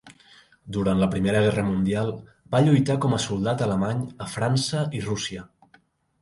Durant la Primera Guerra Mundial va lluitar com a soldat alemany a França i Rússia.